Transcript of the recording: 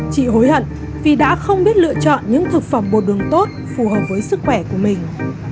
chị hối hận vì đã không biết lựa chọn những thực phẩm bột đường tốt phù hợp với sức khỏe của mình